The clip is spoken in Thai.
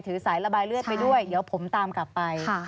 สายระบายเลือดไปด้วยเดี๋ยวผมตามกลับไป